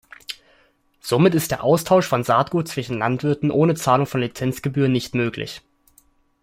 Somit ist der Austausch von Saatgut zwischen Landwirten ohne Zahlung von Lizenzgebühr nicht möglich.